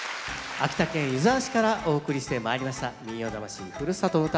秋田県湯沢市からお送りしてまいりました「民謡魂ふるさとの唄」。